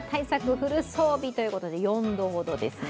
フル装備ということで、４度ほどですね。